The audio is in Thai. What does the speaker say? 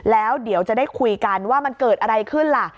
แล้วเดี๋ยวจะได้คุยกันว่ามันเกิดอะไรขึ้นล่ะ